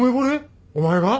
お前が？